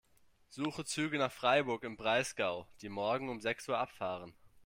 Suche Züge nach Freiburg im Breisgau, die morgen um sechs Uhr abfahren.